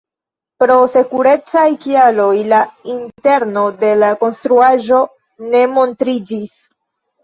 Pro sekurecaj kialoj la interno de la konstruaĵo ne montriĝis.